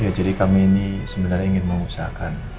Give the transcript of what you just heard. ya jadi kami ini sebenarnya ingin mengusahakan